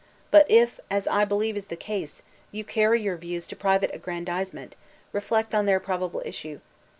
But if as I believe is the case you carry your views to private aggrandizement, reflect on their probable issue.